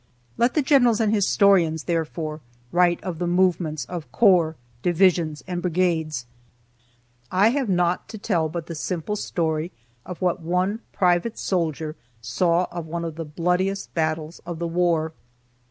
Let the generals and historians, therefore, write of the movements of corps, divisions, and brigades. I have naught to tell but the simple story of what one private soldier saw of one of the bloodiest battles of the war.